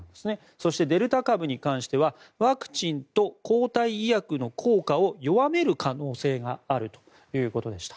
そして、デルタ株に関してはワクチンと抗体医薬の効果を弱める可能性があるということでした。